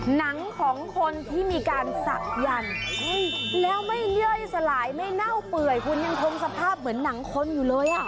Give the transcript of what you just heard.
หนังของคนที่มีการศักยันต์แล้วไม่ย่อยสลายไม่เน่าเปื่อยคุณยังคงสภาพเหมือนหนังคนอยู่เลยอ่ะ